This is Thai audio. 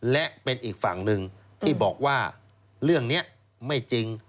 และเป็นอีกฝั่งหนึ่งที่บอกว่าเรื่องนี้ไม่จริง